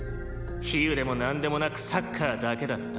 比喩でもなんでもなくサッカーだけだった。